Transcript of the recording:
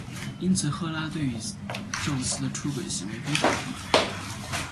因此赫拉对宙斯的出轨行为非常不满。